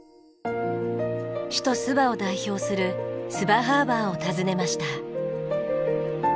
首都スバを代表するスバハーバーを訪ねました。